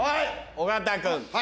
尾形君。